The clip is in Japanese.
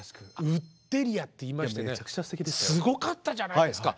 ウッデリアっていいましてねすごかったじゃないですか。